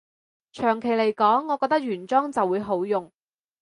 長期來講，我覺得原裝就會好用